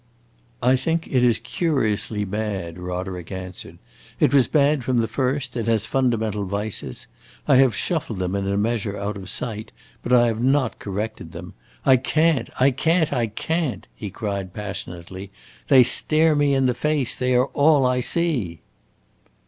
"I think it is curiously bad," Roderick answered. "It was bad from the first; it has fundamental vices. I have shuffled them in a measure out of sight, but I have not corrected them. I can't I can't I can't!" he cried passionately. "They stare me in the face they are all I see!"